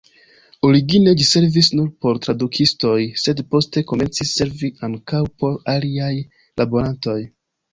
Origine ĝi servis nur por tradukistoj, sed poste komencis servi ankaŭ por aliaj laborantoj.